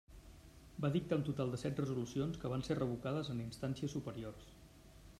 Va dictar un total de set resolucions que van ser revocades en instàncies superiors.